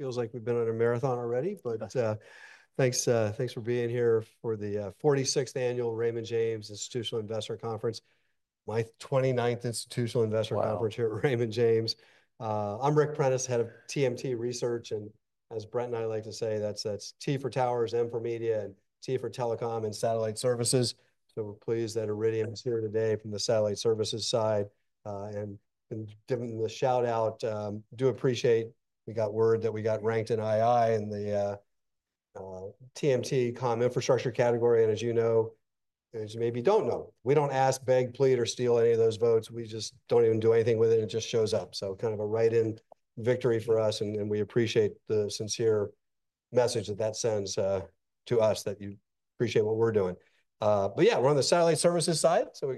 Feels like we've been on a marathon already, but thanks, thanks for being here for the 46th Annual Raymond James Institutional Investor Conference. My 29th Institutional Investor Conference here at Raymond James. I'm Ric Prentiss, head of TMT Research, and as Brett and I like to say, that's, that's T for Towers and for Media and T for Telecom and Satellite Services. So we're pleased that Iridium is here today from the Satellite Services side, and, and giving the shout out, and do appreciate we got word that we got ranked in II in the TMT Comm Infrastructure category. And as you know, as you maybe don't know, we don't ask, beg, plead, or steal any of those votes. We just don't even do anything with it. It just shows up. So kind of a write-in victory for us. And we appreciate the sincere message that sends to us that you appreciate what we're doing. But yeah, we're on the Satellite Services side. So we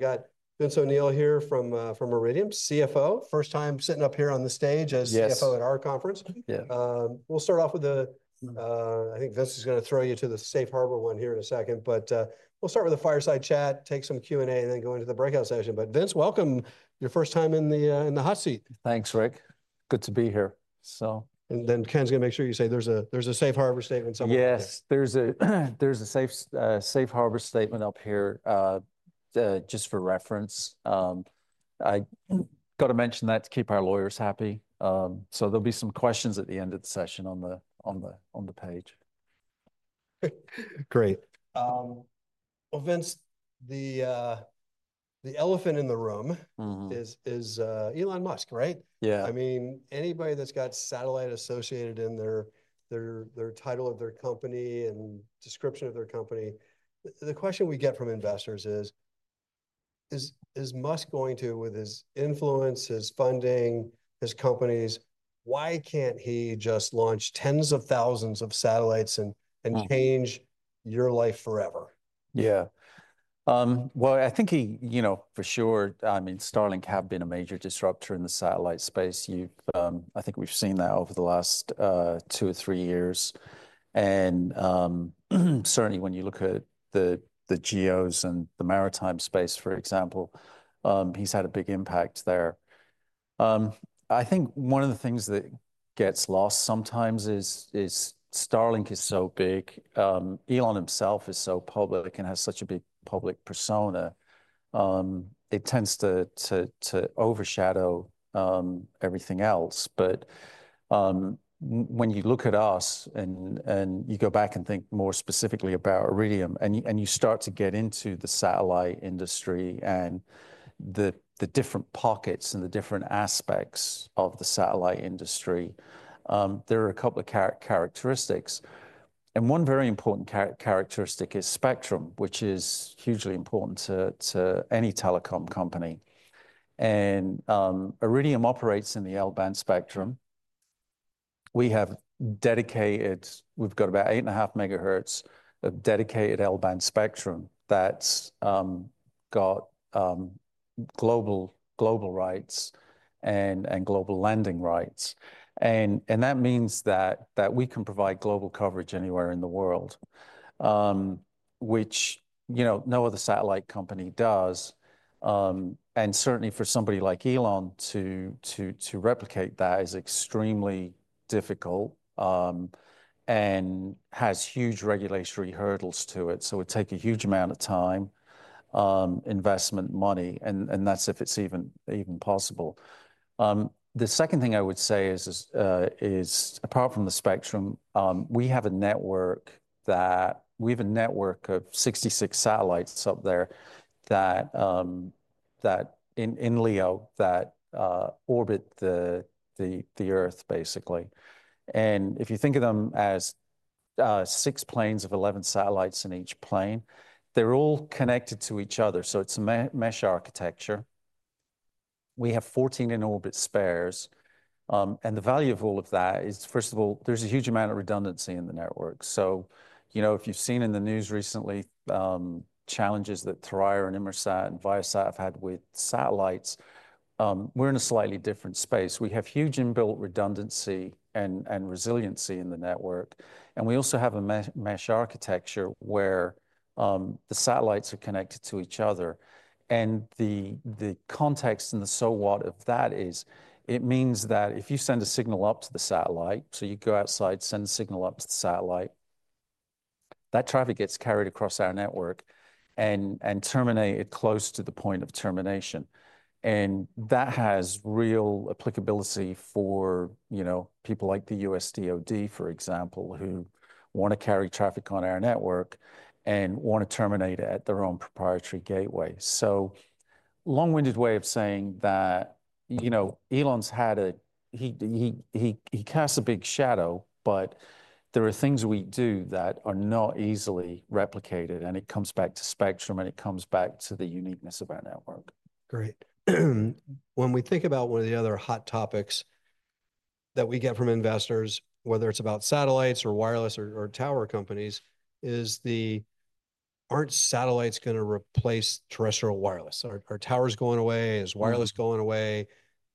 got Vince O’Neill here from Iridium, CFO, first time sitting up here on the stage as CFO at our conference. Yeah. We'll start off with the, I think Vince is gonna throw you to the safe harbor one here in a second, but we'll start with a fireside chat, take some Q and A, and then go into the breakout session. But Vince, welcome. Your first time in the hot seat. Thanks, Ric. Good to be here. Then Ken's gonna make sure you say there's a safe harbor statement somewhere. Yes, there's a safe harbor statement up here, just for reference. I gotta mention that to keep our lawyers happy. So there'll be some questions at the end of the session on the page. Great. Well, Vince, the elephant in the room is Elon Musk, right? Yeah. I mean, anybody that's got satellite associated in their title of their company and description of their company, the question we get from investors is Musk going to, with his influence, his funding, his companies, why can't he just launch tens of thousands of satellites and change your life forever? Yeah, well, I think he, you know, for sure. I mean, Starlink have been a major disruptor in the satellite space. You've, I think we've seen that over the last, two or three years. And certainly when you look at the, the GEOs and the maritime space, for example, he's had a big impact there. I think one of the things that gets lost sometimes is, is Starlink is so big. Elon himself is so public and has such a big public persona. It tends to, to, to overshadow everything else. But when you look at us and, and you go back and think more specifically about Iridium and you, and you start to get into the satellite industry and the, the different pockets and the different aspects of the satellite industry, there are a couple of characteristics. And one very important characteristic is spectrum, which is hugely important to any telecom company. And Iridium operates in the L-band spectrum. We have dedicated. We've got about eight and a half megahertz of dedicated L-band spectrum that's got global rights and global landing rights. And that means that we can provide global coverage anywhere in the world, which you know no other satellite company does. And certainly for somebody like Elon to replicate that is extremely difficult and has huge regulatory hurdles to it. So it would take a huge amount of time, investment, money, and that's if it's even possible. The second thing I would say is apart from the spectrum. We have a network of 66 satellites up there that in LEO orbit the earth basically. And if you think of them as six planes of 11 satellites in each plane, they're all connected to each other. So it's a mesh architecture. We have 14 in orbit spares. And the value of all of that is, first of all, there's a huge amount of redundancy in the network. So, you know, if you've seen in the news recently, challenges that Thuraya and Inmarsat and Viasat have had with satellites, we're in a slightly different space. We have huge inbuilt redundancy and resiliency in the network. And we also have a mesh architecture where the satellites are connected to each other. The context and the so what of that is it means that if you send a signal up to the satellite, so you go outside, send a signal up to the satellite, that traffic gets carried across our network and terminated close to the point of termination. That has real applicability for, you know, people like the U.S. DoD, for example, who wanna carry traffic on our network and wanna terminate it at their own proprietary gateway. So long-winded way of saying that, you know, Elon's had a, he casts a big shadow, but there are things we do that are not easily replicated and it comes back to spectrum and it comes back to the uniqueness of our network. Great. When we think about one of the other hot topics that we get from investors, whether it's about satellites or wireless or tower companies, aren't satellites gonna replace terrestrial wireless? Are towers going away? Is wireless going away?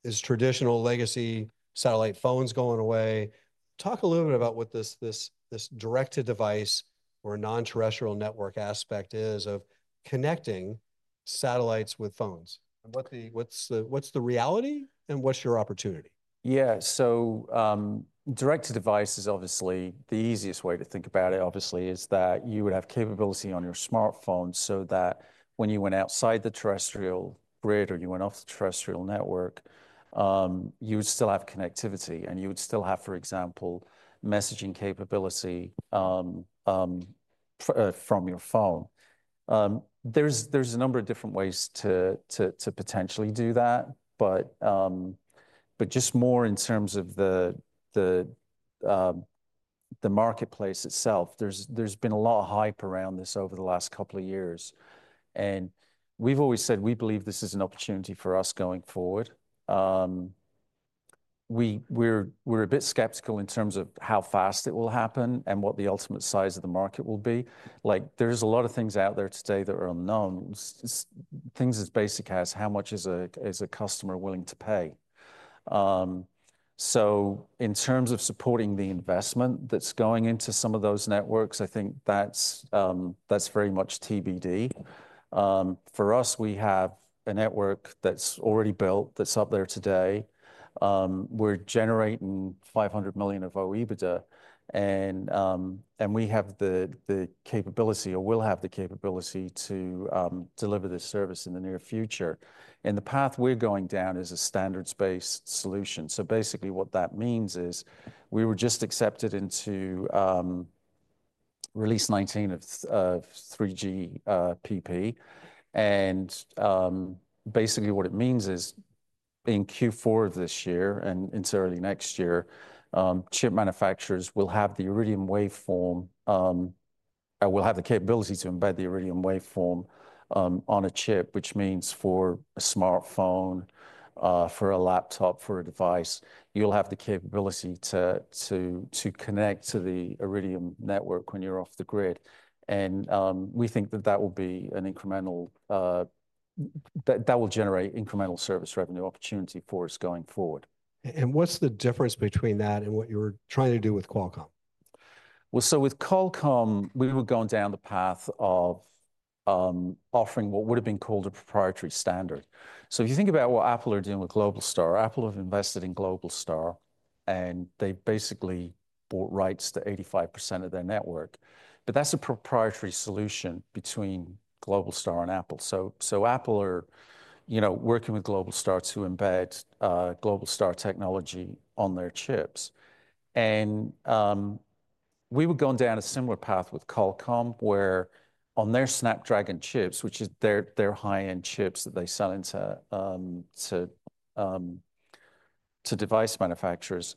Is traditional legacy satellite phones going away? Talk a little bit about what this direct-to-device or non-terrestrial network aspect is of connecting satellites with phones. And what's the reality and what's your opportunity? Yeah. So, direct to device is obviously the easiest way to think about it, obviously, is that you would have capability on your smartphone so that when you went outside the terrestrial grid or you went off the terrestrial network, you would still have connectivity and you would still have, for example, messaging capability from your phone. There's a number of different ways to potentially do that, but just more in terms of the marketplace itself. There's been a lot of hype around this over the last couple of years. We've always said we believe this is an opportunity for us going forward. We're a bit skeptical in terms of how fast it will happen and what the ultimate size of the market will be. Like there's a lot of things out there today that are unknown. Things as basic as how much is a customer willing to pay? So in terms of supporting the investment that's going into some of those networks, I think that's very much TBD. For us, we have a network that's already built, that's up there today. We're generating $500 million of OEBITDA and we have the capability or we'll have the capability to deliver this service in the near future. The path we are going down is a standards-based solution. So basically what that means is we were just accepted into Release 19 of 3GPP. Basically what it means is in Q4 of this year and into early next year, chip manufacturers will have the Iridium waveform, will have the capability to embed the Iridium waveform on a chip, which means for a smartphone, for a laptop, for a device, you'll have the capability to connect to the Iridium network when you're off the grid. We think that will be an incremental, that will generate incremental service revenue opportunity for us going forward. What's the difference between that and what you were trying to do with Qualcomm? With Qualcomm, we were going down the path of offering what would've been called a proprietary standard. So if you think about what Apple are doing with Globalstar, Apple have invested in Globalstar and they basically bought rights to 85% of their network, but that's a proprietary solution between Globalstar and Apple. So Apple are, you know, working with Globalstar to embed Globalstar technology on their chips. We were going down a similar path with Qualcomm where on their Snapdragon chips, which is their high-end chips that they sell into device manufacturers,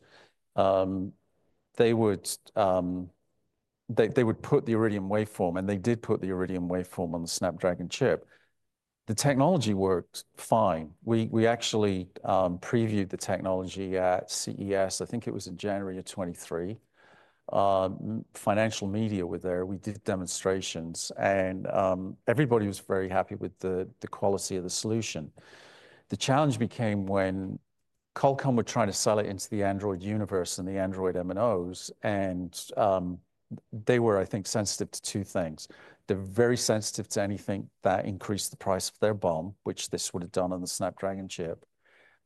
they would put the Iridium waveform and they did put the Iridium waveform on the Snapdragon chip. The technology worked fine. We actually previewed the technology at CES. I think it was in January of 2023. Financial media were there. We did demonstrations, and everybody was very happy with the quality of the solution. The challenge became when Qualcomm were trying to sell it into the Android universe and the Android MNOs, and they were, I think, sensitive to two things. They're very sensitive to anything that increased the price of their BOM, which this would've done on the Snapdragon chip.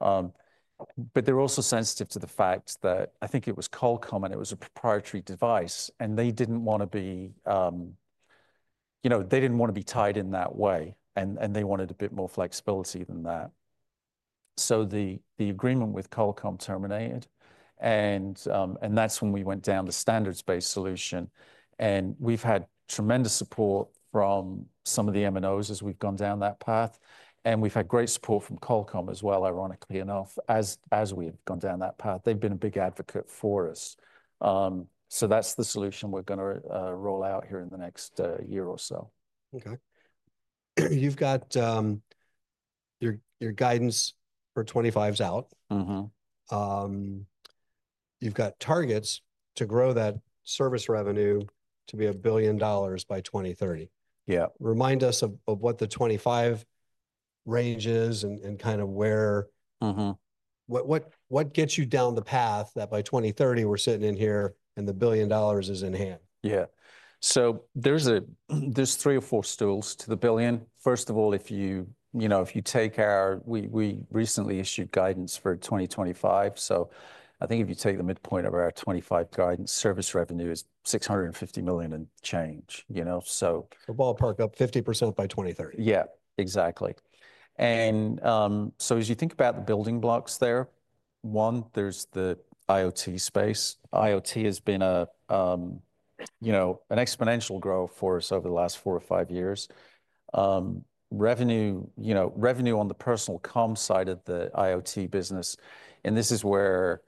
But they're also sensitive to the fact that I think it was Qualcomm and it was a proprietary device and they didn't wanna be, you know, they didn't wanna be tied in that way, and they wanted a bit more flexibility than that. So the agreement with Qualcomm terminated, and that's when we went down the standards-based solution. We've had tremendous support from some of the MNOs as we've gone down that path. And we've had great support from Qualcomm as well, ironically enough, as we have gone down that path. They've been a big advocate for us. So that's the solution we're gonna roll out here in the next year or so. Okay. You've got your guidance for 25's out. Mm-hmm. You've got targets to grow that service revenue to be $1 billion by 2030. Yeah. Remind us of what the 25 range is and kind of where. Mm-hmm. What gets you down the path that by 2030 we're sitting in here and the $1 billion is in hand? Yeah. So there's three or four stools to the billion. First of all, if you know, if you take our, we recently issued guidance for 2025. So I think if you take the midpoint of our 2025 guidance, service revenue is $650 million and change, you know? So. A ballpark up 50% by 2030. Yeah, exactly. And so as you think about the building blocks there, one, there's the IoT space. IoT has been a, you know, an exponential growth for us over the last four or five years. Revenue, you know, revenue on the personal comm side of the IoT business. And this is where,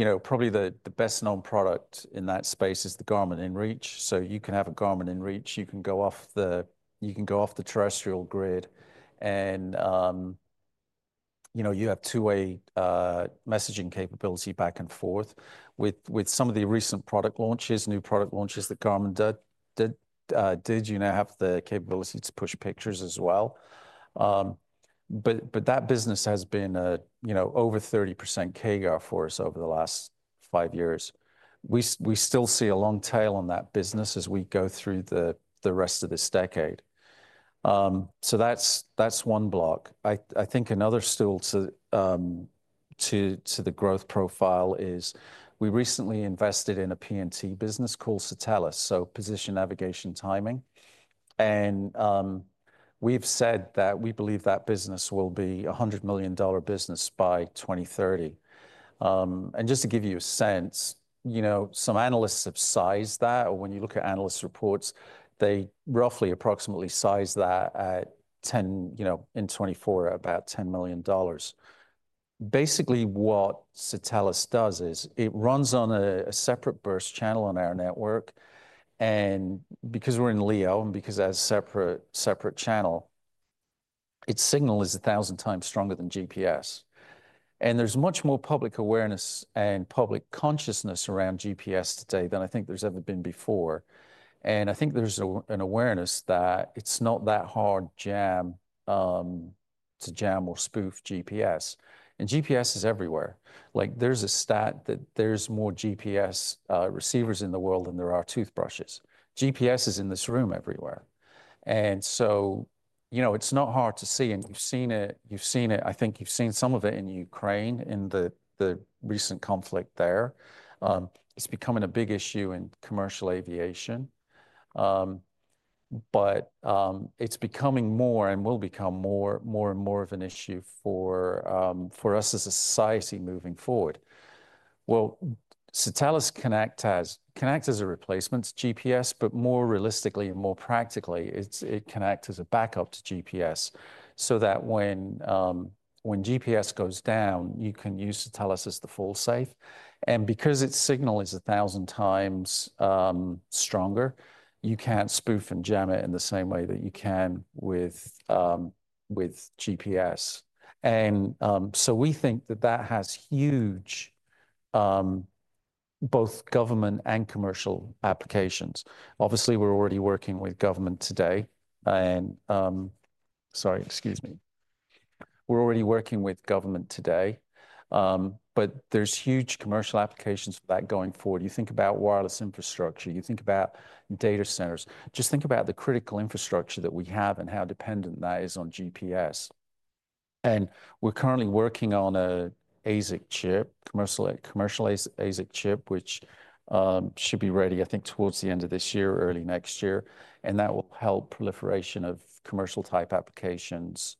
you know, probably the best known product in that space is the Garmin inReach. So you can have a Garmin inReach, you can go off the terrestrial grid and, you know, you have two-way messaging capability back and forth with some of the recent product launches, new product launches that Garmin did, you know, have the capability to push pictures as well. But that business has been a, you know, over 30% CAGR for us over the last five years. We still see a long tail on that business as we go through the rest of this decade, so that's one block. I think another stool to the growth profile is we recently invested in a PNT business called Satelles. So position navigation timing. And we've said that we believe that business will be a $100 million business by 2030, and just to give you a sense, you know, some analysts have sized that, or when you look at analyst reports, they roughly approximately sized that at $10 million, you know, in 2024. Basically what Satelles does is it runs on a separate burst channel on our network. And because we're in Leo and because it's a separate channel, its signal is 1000 times stronger than GPS. There's much more public awareness and public consciousness around GPS today than I think there's ever been before. I think there's an awareness that it's not that hard to jam or spoof GPS. GPS is everywhere. Like there's a stat that there's more GPS receivers in the world than there are toothbrushes. GPS is in this room everywhere. So, you know, it's not hard to see and you've seen it, you've seen it. I think you've seen some of it in Ukraine in the recent conflict there. It's becoming a big issue in commercial aviation. It's becoming more and will become more and more of an issue for us as a society moving forward. Satelles Connects has as a replacement to GPS, but more realistically and more practically it's. It connects as a backup to GPS so that when GPS goes down, you can use Satelles as the fail-safe. And because its signal is a thousand times stronger, you can't spoof and jam it in the same way that you can with GPS. And so we think that has huge both government and commercial applications. Obviously we're already working with government today. But there's huge commercial applications for that going forward. You think about wireless infrastructure, you think about data centers, just think about the critical infrastructure that we have and how dependent that is on GPS. We're currently working on a ASIC chip, commercial, commercial ASIC chip, which should be ready, I think, towards the end of this year, early next year. And that will help proliferation of commercial type applications,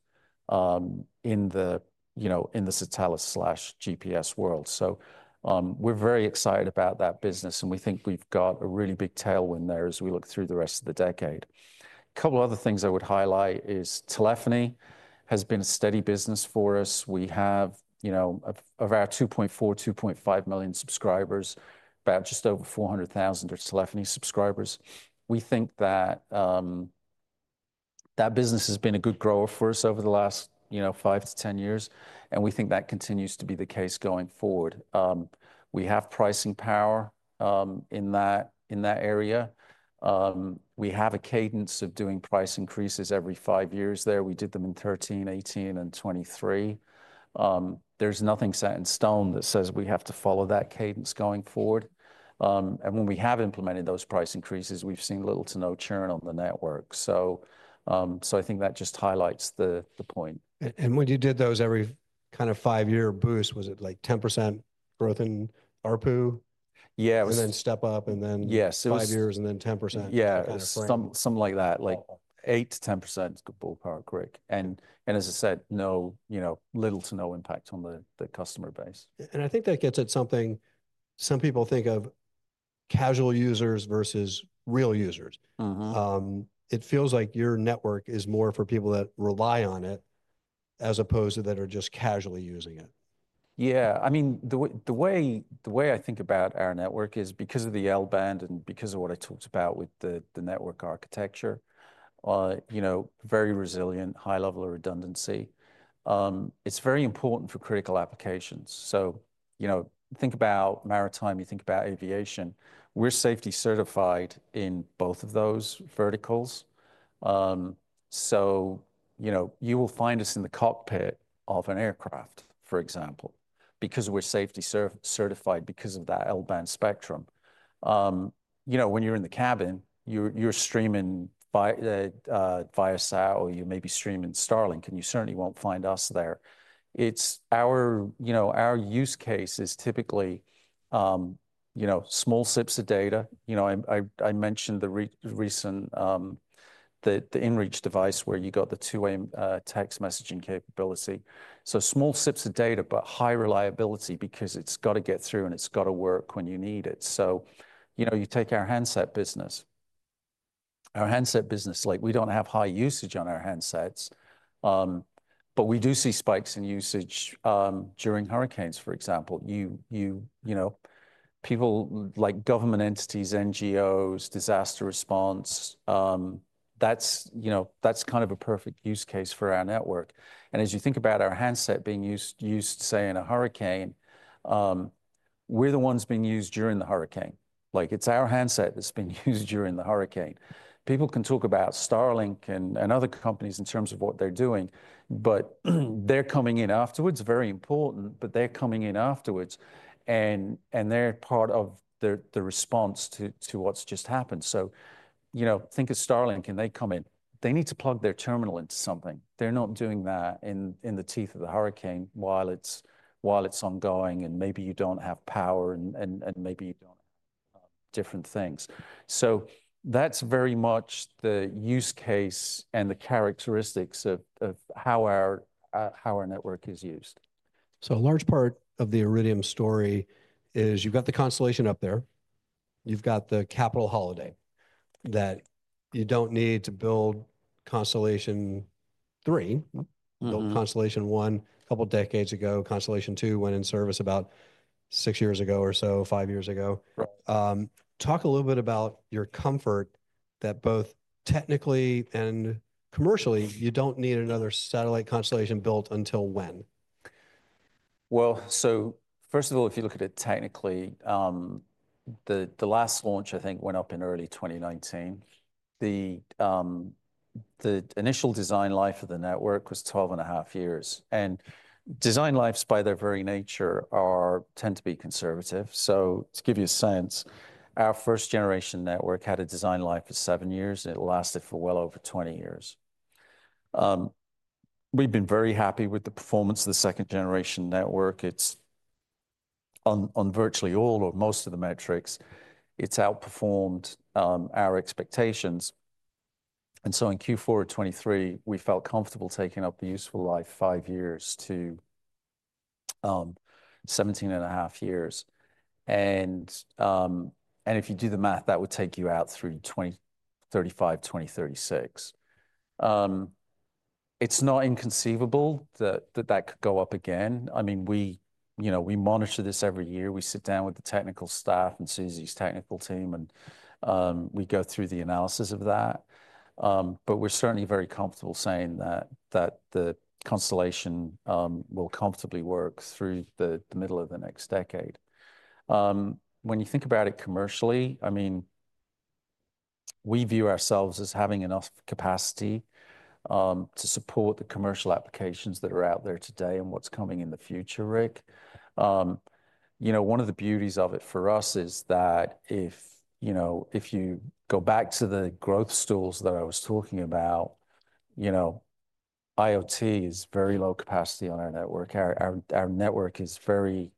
in the, you know, in the Satelles GPS world. So, we're very excited about that business and we think we've got a really big tailwind there as we look through the rest of the decade. A couple other things I would highlight is telephony has been a steady business for us. We have, you know, of, of our 2.4-2.5 million subscribers, about just over 400,000 are telephony subscribers. We think that, that business has been a good grower for us over the last, you know, five to 10 years. And we think that continues to be the case going forward. We have pricing power, in that, in that area. We have a cadence of doing price increases every five years there. We did them in 2013, 2018, and 2023. There's nothing set in stone that says we have to follow that cadence going forward. And when we have implemented those price increases, we've seen little to no churn on the network. So, so I think that just highlights the point. When you did those every kind of five-year boost, was it like 10% growth in ARPU? Yeah. And then step up, and then five years, and then 10%. Yeah. Some like that, like 8%-10% is good ballpark, Ric. And as I said, you know, little to no impact on the customer base. I think that gets at something some people think of casual users versus real users. Mm-hmm. It feels like your network is more for people that rely on it as opposed to that are just casually using it. Yeah. I mean, the way I think about our network is because of the L band and because of what I talked about with the network architecture, you know, very resilient, high level of redundancy. It's very important for critical applications. So, you know, think about maritime, you think about aviation, we're safety certified in both of those verticals. So, you know, you will find us in the cockpit of an aircraft, for example, because we're safety certified because of that L band spectrum. You know, when you're in the cabin, you're streaming via Viasat or you may be streaming Starlink, and you certainly won't find us there. It's our, you know, our use case is typically, you know, small sips of data. You know, I mentioned the recent inReach device where you got the two-way text messaging capability. Small sips of data, but high reliability because it's gotta get through and it's gotta work when you need it. You know, you take our handset business, our handset business, like we don't have high usage on our handsets, but we do see spikes in usage, during hurricanes, for example. You know, people like government entities, NGOs, disaster response, that's, you know, that's kind of a perfect use case for our network. As you think about our handset being used, say, in a hurricane, we're the ones being used during the hurricane. Like it's our handset that's been used during the hurricane. People can talk about Starlink and other companies in terms of what they're doing, but they're coming in afterwards. Very important, but they're coming in afterwards and they're part of the response to what's just happened. So, you know, think of Starlink and they come in, they need to plug their terminal into something. They're not doing that in the teeth of the hurricane while it's ongoing and maybe you don't have power and maybe you don't have different things. So that's very much the use case and the characteristics of how our network is used. So, a large part of the Iridium story is you've got the constellation up there, you've got the capital holiday that you don't need to build Constellation Three. Built Constellation One a couple decades ago. Constellation Two went in service about six years ago or so, five years ago. Right. Talk a little bit about your comfort that both technically and commercially you don't need another satellite constellation built until when? Well, so first of all, if you look at it technically, the last launch I think went up in early 2019. The initial design life of the network was 12 and a half years. And design lives by their very nature tend to be conservative. So to give you a sense, our first generation network had a design life of seven years and it lasted for well over 20 years. We've been very happy with the performance of the second generation network. It's on virtually all or most of the metrics; it's outperformed our expectations. And so in Q4 of 2023, we felt comfortable taking up the useful life five years to 17 and a half years. And if you do the math, that would take you out through 2035, 2036. It's not inconceivable that that could go up again. I mean, we, you know, we monitor this every year. We sit down with the technical staff and Suzi's technical team and, we go through the analysis of that. But we're certainly very comfortable saying that the constellation will comfortably work through the middle of the next decade. When you think about it commercially, I mean, we view ourselves as having enough capacity to support the commercial applications that are out there today and what's coming in the future, Rick. You know, one of the beauties of it for us is that if, you know, if you go back to the growth tools that I was talking about, you know, IoT is very low capacity on our network. Our network is very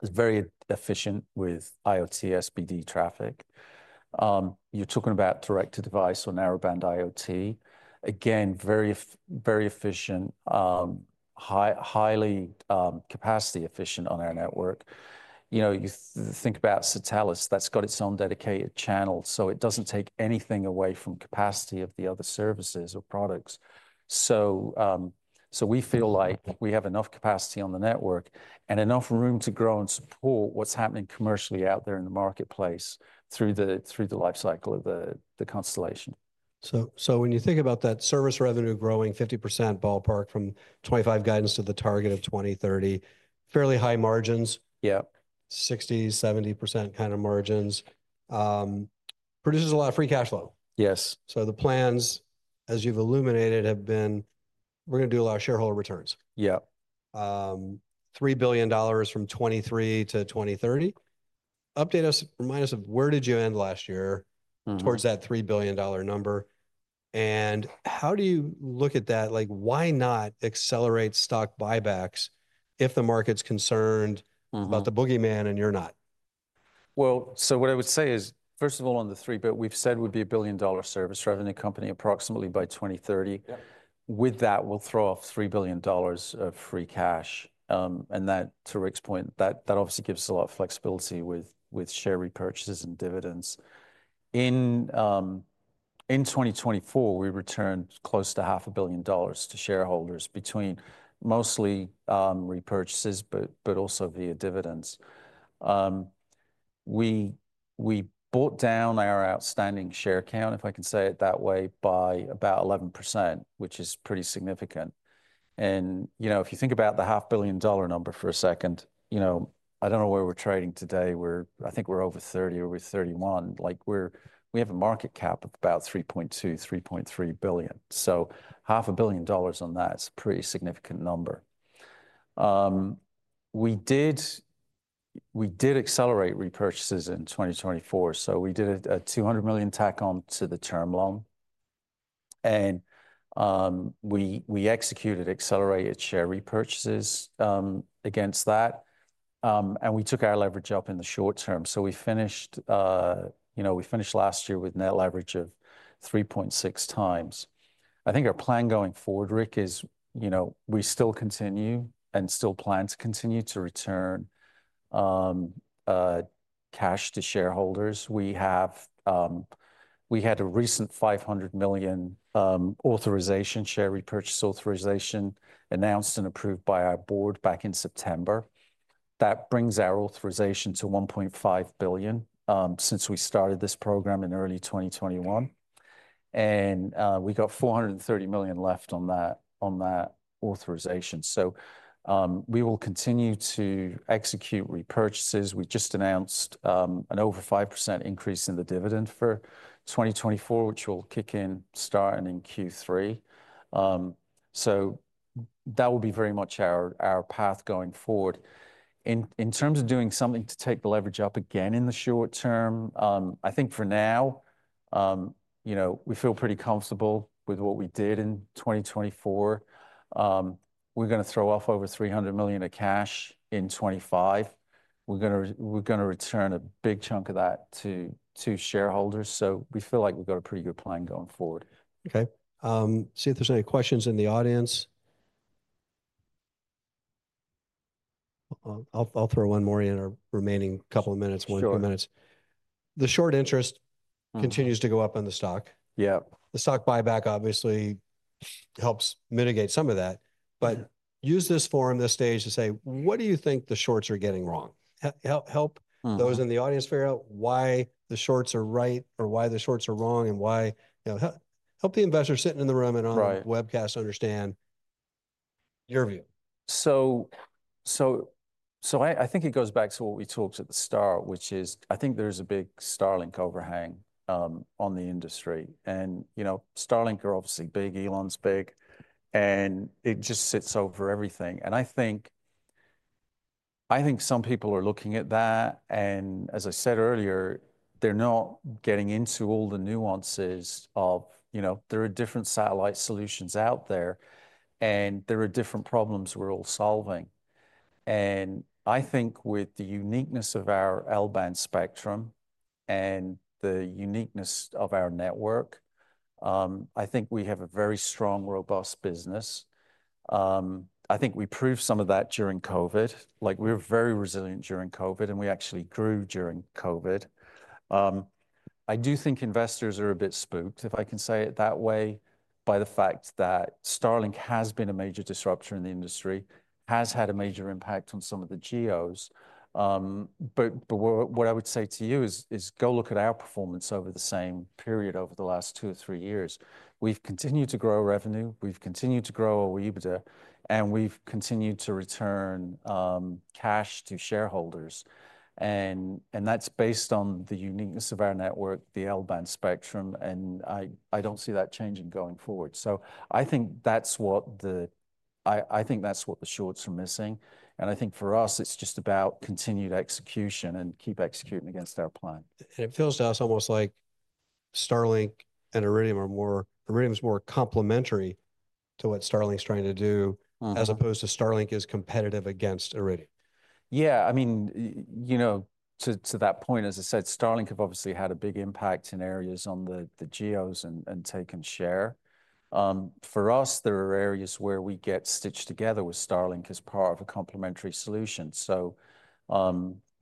efficient with IoT SBD traffic. You're talking about direct to device on narrowband IoT, again, very, very efficient, highly capacity efficient on our network. You know, you think about Satelles that's got its own dedicated channel. So it doesn't take anything away from capacity of the other services or products. So we feel like we have enough capacity on the network and enough room to grow and support what's happening commercially out there in the marketplace through the life cycle of the constellation. When you think about that service revenue growing 50% ballpark from 2025 guidance to the target of 2030, fairly high margins. Yep. 60%-70% kind of margins, produces a lot of free cash flow. Yes. The plans, as you've illuminated, have been. We're gonna do a lot of shareholder returns. Yep. $3 billion from 2023 to 2030. Update us, remind us of where did you end last year towards that $3 billion number? And how do you look at that? Like, why not accelerate stock buybacks if the market's concerned about the boogeyman and you're not? What I would say is, first of all, on the three, but we've said we'd be a $1 billion service revenue company approximately by 2030. With that, we'll throw off $3 billion of free cash. And that, to Rick's point, obviously gives us a lot of flexibility with share repurchases and dividends. In 2024, we returned close to $500 million to shareholders, mostly via repurchases but also via dividends. We bought down our outstanding share count, if I can say it that way, by about 11%, which is pretty significant. And you know, if you think about the $500 million number for a second, you know, I don't know where we're trading today. We're, I think we're over $30, over $31. Like we're, we have a market cap of about $3.2-$3.3 billion. Half a billion dollars on that is a pretty significant number. We did accelerate repurchases in 2024. We did a $200 million tack-on to the term loan. We executed accelerated share repurchases against that. We took our leverage up in the short term. We finished last year with net leverage of 3.6 times. I think our plan going forward, Rick, is you know we still continue and still plan to continue to return cash to shareholders. We had a recent $500 million share repurchase authorization announced and approved by our board back in September. That brings our authorization to $1.5 billion since we started this program in early 2021. We got $430 million left on that authorization. We will continue to execute repurchases. We just announced an over 5% increase in the dividend for 2024, which will kick in starting in Q3, so that will be very much our path going forward. In terms of doing something to take the leverage up again in the short term, I think for now, you know, we feel pretty comfortable with what we did in 2024. We're gonna throw off over $300 million of cash in 2025. We're gonna return a big chunk of that to shareholders, so we feel like we've got a pretty good plan going forward. Okay. See if there's any questions in the audience. I'll throw one more in our remaining couple of minutes, one or two minutes. The short interest continues to go up on the stock. Yep. The stock buyback obviously helps mitigate some of that, but use this forum, this stage, to say, what do you think the shorts are getting wrong? Help those in the audience figure out why the shorts are right or why the shorts are wrong and why, you know, help the investors sitting in the room and on the webcast understand your view. I think it goes back to what we talked at the start, which is I think there's a big Starlink overhang on the industry. And, you know, Starlink are obviously big, Elon's big, and it just sits over everything. And I think some people are looking at that. And as I said earlier, they're not getting into all the nuances of, you know, there are different satellite solutions out there and there are different problems we're all solving. And I think with the uniqueness of our L-band spectrum and the uniqueness of our network, I think we have a very strong, robust business. I think we proved some of that during COVID. Like we were very resilient during COVID and we actually grew during COVID. I do think investors are a bit spooked, if I can say it that way, by the fact that Starlink has been a major disruptor in the industry, has had a major impact on some of the GEOs. But what I would say to you is go look at our performance over the same period over the last two or three years. We've continued to grow revenue, we've continued to grow our EBITDA, and we've continued to return cash to shareholders. And that's based on the uniqueness of our network, the L band spectrum. And I don't see that changing going forward. So I think that's what the shorts are missing. And I think for us, it's just about continued execution and keep executing against our plan. It feels to us almost like Iridium's more complementary to what Starlink's trying to do as opposed to Starlink is competitive against Iridium. Yeah. I mean, you know, to that point, as I said, Starlink have obviously had a big impact in areas on the GEOs and taken share. For us, there are areas where we get stitched together with Starlink as part of a complementary solution. So,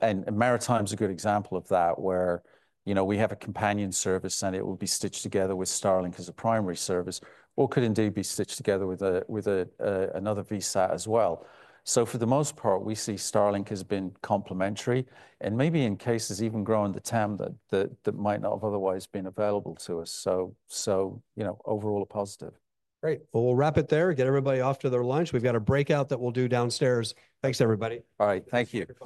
and Maritime's a good example of that where, you know, we have a companion service and it will be stitched together with Starlink as a primary service, or could indeed be stitched together with another VSAT as well. So for the most part, we see Starlink has been complementary and maybe in cases even growing the TAM that might not have otherwise been available to us. So, you know, overall a positive. Great. Well, we'll wrap it there. Get everybody off to their lunch. We've got a breakout that we'll do downstairs. Thanks everybody. All right. Thank you.